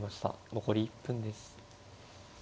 残り１分です。